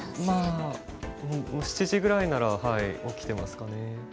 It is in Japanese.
まあ７時ぐらいなら起きてますかね。